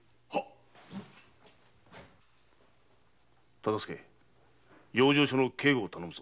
忠相養生所の警護を頼むぞ。